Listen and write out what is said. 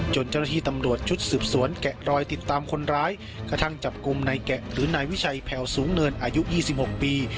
เจ้าหน้าที่ตำรวจชุดสืบสวนแกะรอยติดตามคนร้ายกระทั่งจับกลุ่มนายแกะหรือนายวิชัยแผ่วสูงเนินอายุ๒๖ปี